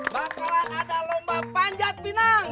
bakalan ada lomba panjat pinang